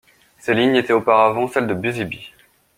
Ces lignes étaient auparavant celles de Busy Bee.